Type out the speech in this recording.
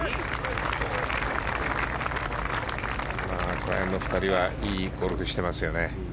この２人はいいゴルフしてますよね。